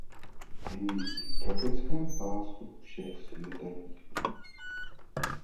Hnízdí v tropickém pásu všech světadílů.